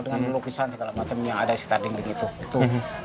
dengan lukisan segala macam yang ada di sekitar dinding itu